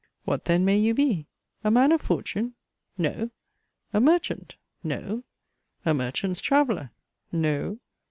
What then may you be? A man of fortune? No! A merchant? No! A merchant's traveller? No!